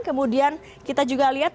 kemudian kita juga lihat